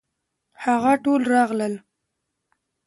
هغه ټول راغلل.